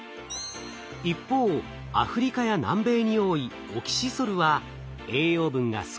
一方アフリカや南米に多いオキシソルは栄養分が少なく酸性になりがち。